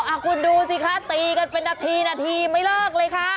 อ่ะคุณดูสิคะตีกันเป็นนาทีนาทีไม่เลิกเลยค่ะ